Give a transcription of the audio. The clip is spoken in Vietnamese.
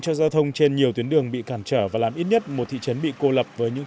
cho giao thông trên nhiều tuyến đường bị cản trở và làm ít nhất một thị trấn bị cô lập với những